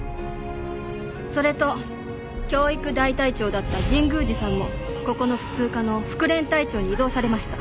それと教育大隊長だった神宮寺さんもここの普通科の副連隊長に異動されました。